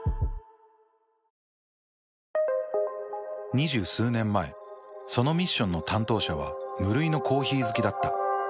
２０数年前そのミッションの担当者は無類のコーヒー好きだった。